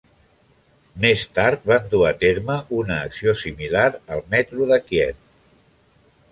Més tard van dur a terme una acció similar al metro de Kíev.